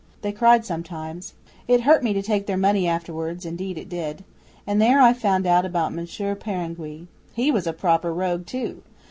They cried sometimes. It hurt me to take their money afterwards, indeed it did. And there I found out about Monsieur Peringuey. He was a proper rogue too!